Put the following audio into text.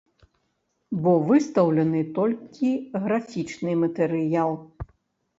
Бо выстаўлены толькі графічны матэрыял.